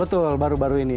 betul baru baru ini